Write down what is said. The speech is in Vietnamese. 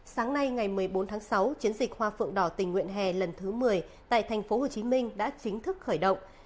sáng nay ngày một mươi bốn tháng sáu chiến dịch hoa phượng đỏ tình nguyện hè lần thứ một mươi tại tp hcm đã chính thức khởi động